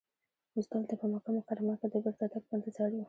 اوس دلته په مکه مکرمه کې د بېرته تګ په انتظار یو.